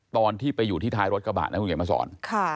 ตอนที่ไปอยู่ที่ท้ายรถกระบะนะคุณเขียนมาสอน